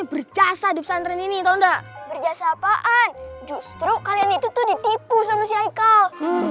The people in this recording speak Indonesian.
berjasa di pesantren ini tonda berjasa apaan justru kalian itu ditipu sama si haikal